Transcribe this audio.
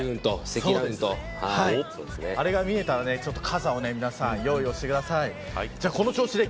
あれが見えたら傘を皆さん用意してください。